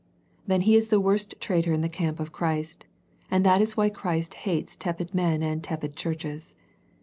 Then he is the worst traitor in the camp of Christ, and that is why Christ hates tepid men and tepid churches.